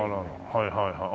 はいはいはい。